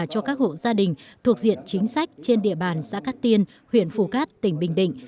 cho các hộ gia đình thuộc diện chính sách trên địa bàn xã cát tiên huyện phù cát tỉnh bình định